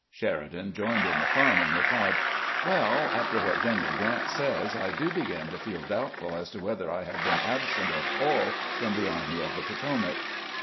Sheridan joined in the fun, and replied :" Well, after what General Grant says, I do begin to feel doubtful as to whether I have been absent at all from the Army of the Potomac."